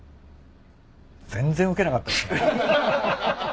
全然ウケなかったっすね。